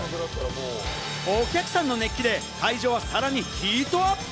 お客さんの熱気で会場はさらにヒートアップ！